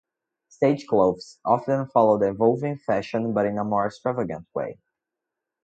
Stage clothes often follow the evolving fashion but in a more extravagant way.